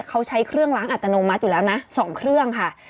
เขาใช้เครื่องล้างอัตโนมัติอยู่แล้วนะ๒เครื่องค่ะ